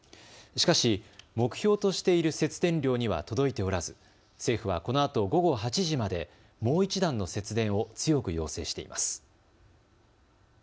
しかし目標としている節電量には届いておらず政府はこのあと午後８時までもう一段の節電を強く要請しています。